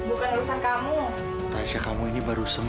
orangnya kita di jauhan